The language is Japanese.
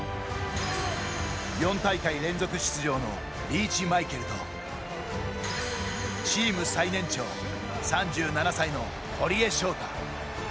４大会連続出場のリーチマイケルとチーム最年長、３７歳の堀江翔太。